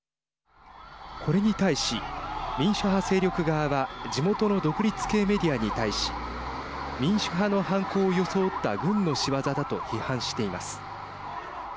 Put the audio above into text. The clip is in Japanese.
これに対し、民主派勢力側は地元の独立系メディアに対し民主派の犯行を装った軍の仕業だと批判しています。